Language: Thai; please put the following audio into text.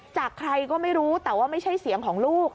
จากใครก็ไม่รู้แต่ว่าไม่ใช่เสียงของลูก